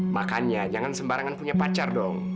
makanya jangan sembarangan punya pacar dong